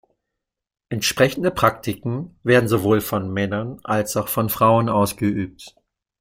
Entsprechende Praktiken werden sowohl von Männern als auch von Frauen ausgeübt.